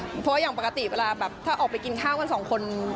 เพราะว่าอย่างปกติเวลาแบบถ้าออกไปกินข้าวกันสองคน